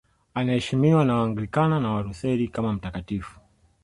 Anaheshimiwa na Waanglikana na Walutheri kama mtakatifu.